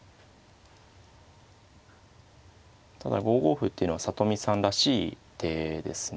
ただ５五歩っていうのは里見さんらしい手ですね。